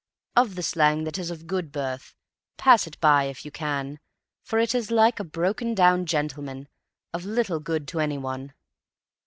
Of the slang that is of good birth, pass it by if you can, for it is like a broken down gentleman, of little good to any one.